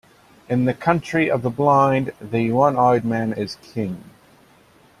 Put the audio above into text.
In the country of the blind, the one-eyed man is king.